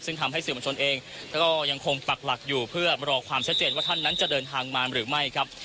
ซึ่งทำให้สื่อมวลชนเองก็ยังคงปักหลักอยู่เพื่อรอความชัดเจนว่าท่านนั้นจะเดินทางมาหรือไม่ครับ